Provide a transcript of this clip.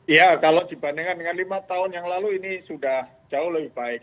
iya kalau dibandingkan dengan lima tahun yang lalu ini sudah jauh lebih baik